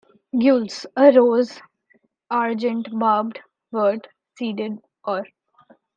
Gules, a rose Argent barbed Vert seeded Or.